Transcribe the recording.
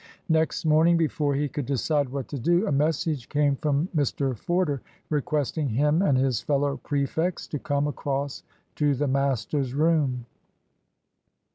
Next morning, before he could decide what to do, a message came from Mr Forder, requesting him and his fellow prefects to come across to the master's room.